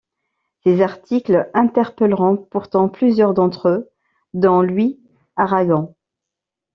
Ses articles interpelleront pourtant plusieurs d'entre eux, dont Louis Aragon.